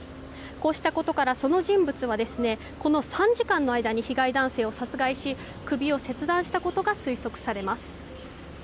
こうしたことから、その人物はこの３時間の間に被害男性を殺害し首を切断したことが推測されます。